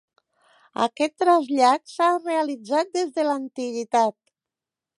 Aquest trasllat s'ha realitzat des de l'antiguitat.